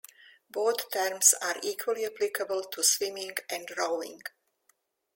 Both terms are equally applicable to swimming and rowing.